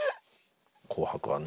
「紅白」はね